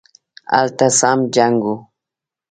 هلته سم جنګ وو